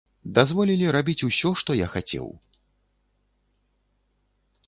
Дазволілі рабіць усё, што я хацеў.